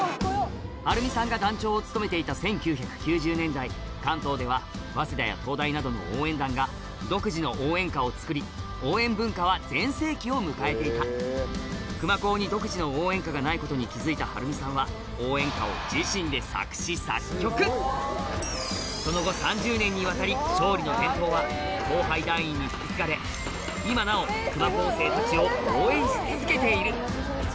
春洋さんが団長を務めていた１９９０年代関東では早稲田や東大などの応援団が独自の応援歌を作り応援文化は全盛期を迎えていた熊高に独自の応援歌がないことに気付いた春洋さんはその後３０年にわたり『勝利の伝統』は後輩団員に引き継がれそんな・あい！